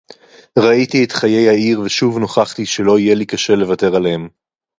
ראיתי את חיי העיר ושוב נוכחתי שלא יהיה לי קשה לוותר עליהם.